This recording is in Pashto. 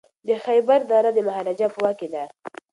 د خیبر دره د مهاراجا په واک کي ده.